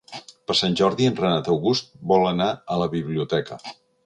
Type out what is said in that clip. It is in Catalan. Per Sant Jordi en Renat August vol anar a la biblioteca.